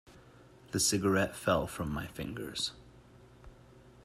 The cigarette fell from my fingers.